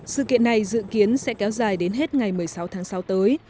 sự kiện này dự kiến sẽ kéo dài đến hết ngày một mươi sáu tháng sáu tới